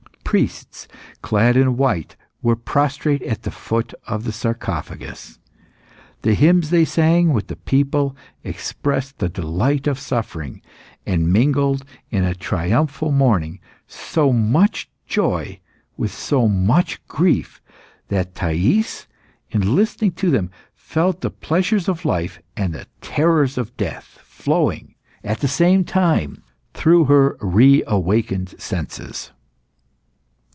Priests, clad in white, were prostrate at the foot of the sarcophagus. The hymns they sang with the people expressed the delight of suffering, and mingled, in a triumphal mourning, so much joy with so much grief, that Thais, in listening to them, felt the pleasures of life and the terrors of death flowing, at the same time, through her re awakened senses.